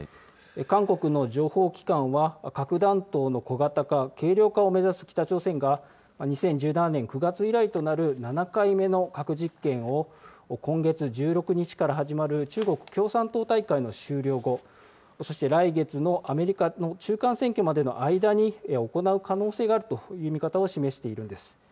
韓国の情報機関は、核弾頭の小型化、軽量化を目指す北朝鮮が、２０１７年９月以来となる７回目の核実験を今月１６日から始まる中国共産党大会の終了後、そして来月のアメリカの中間選挙までの間に行う可能性があるという見方を示しているんです。